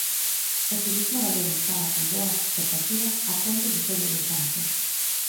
O turismo galego encara con boas expectativas a ponte de Todos os Santos.